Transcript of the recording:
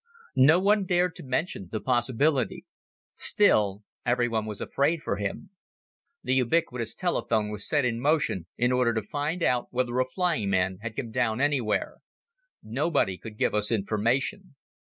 No one dared to mention the possibility. Still, everyone was afraid for him. The ubiquitous telephone was set in motion in order to find out whether a flying man had come down anywhere. Nobody could give us information.